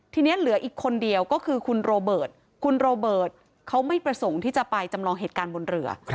ทีนี้เหลืออีกคนเดียวก็คือคุณโรเบิร์ตคุณโรเบิร์ตเขาไม่ประสงค์ที่จะไปจำลองเหตุการณ์บนเรือ